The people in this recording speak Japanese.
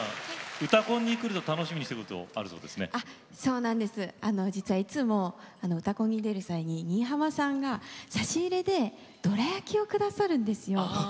「うたコン」に来ると楽しみにしていることがあるそう実はいつも「うたコン」に出る際に新浜さんが差し入れでどら焼きをくださるんですよ。